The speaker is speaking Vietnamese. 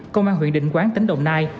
công an huyện định quán tỉnh đồng nai